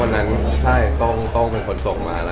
วันนั้นต้มโต้งเป็นคนทรงมา